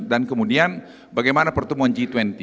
dan kemudian bagaimana pertemuan g dua puluh